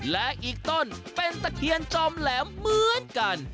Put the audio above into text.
และอีกต้นเป็นตะเคียนจอมแหลมเหมือนกัน